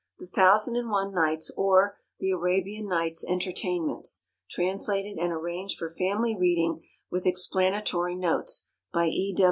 The Thousand and One Nights; or, The Arabian Nights' Entertainments. Translated and Arranged for Family Reading, with Explanatory Notes, by E.